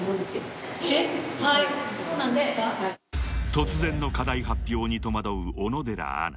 ［突然の課題発表に戸惑う小野寺アナ］